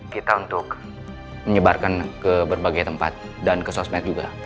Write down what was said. kita untuk menyebarkan ke berbagai tempat dan ke sosmed juga